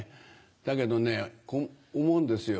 だけどねこう思うんですよ。